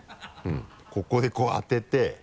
ここでこう当てて。